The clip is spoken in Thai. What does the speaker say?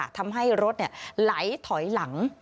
ทำให้รถไหลถอยหลัง